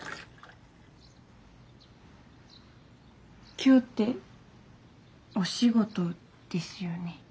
今日ってお仕事ですよね。